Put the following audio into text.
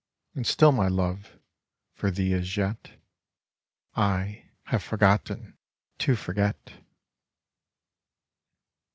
And still my love for thee as yet I have forgotten to forget.